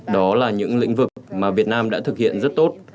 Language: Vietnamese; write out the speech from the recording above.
đó là những lĩnh vực mà việt nam đã thực hiện rất tốt